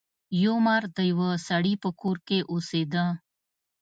یو مار د یو سړي په کور کې اوسیده.